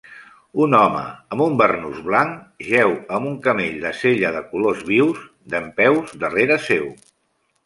Un home amb un barnús blanc jeu amb un camell de sella de colors vius dempeus darrere seu.